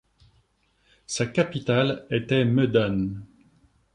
Sa capitale était Medan.